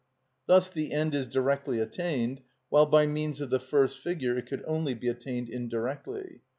Thus the end is directly attained, while by means of the first figure it could only be attained indirectly.